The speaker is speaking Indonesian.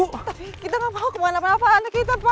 tapi kita nggak tahu kemana mana anak kita pak